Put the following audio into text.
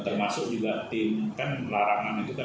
termasuk juga tim kan larangan itu kan